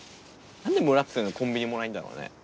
何で村っつうのはコンビニもないんだろうね。